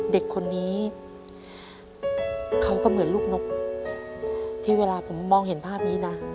เด็กคนนี้เขาก็เหมือนลูกนกที่เวลาผมมองเห็นภาพนี้นะ